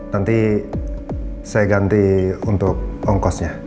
nanti saya ganti untuk ongkosnya